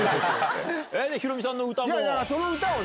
ヒロミさんの歌も？